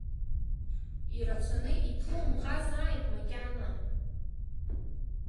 Ирацәаны иԥумҟазааит макьана?